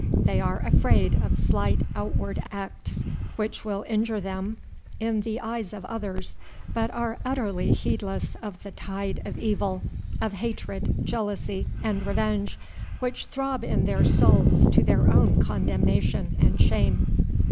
They are afraid of slight outward acts which will injure them in the eyes of others, but are utterly heedless of the tide of evil, of hatred, jealousy, and revenge, which throb in their souls to their own condemnation and shame.